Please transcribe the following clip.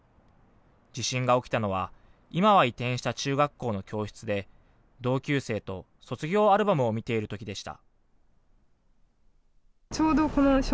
地震が起きたのは今は移転した中学校の教室で同級生と卒業アルバムを見ている時でした。